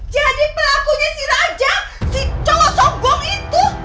jadi pelakunya si raja si colok soggong itu